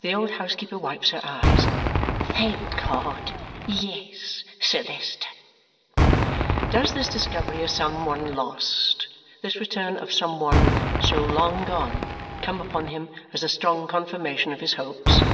The old housekeeper wipes her eyes. "Thank God. Yes, Sir Leicester." Does this discovery of some one lost, this return of some one so long gone, come upon him as a strong confirmation of his hopes?